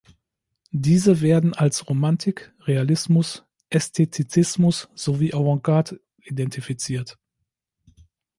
Diese werden als Romantik, Realismus, Ästhetizismus sowie Avantgarde identifiziert.